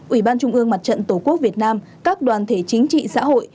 ủy ban trung ương mặt trận tổ quốc việt nam các đoàn thể chính trị xã hội